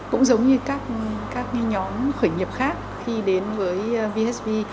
cũng giống như các nhóm khởi nghiệp khác khi đến với vsv